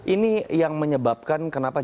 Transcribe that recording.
ini yang menyebabkan kenapa